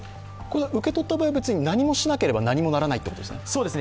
受け取った場合は何もしなければ何もならないということですか？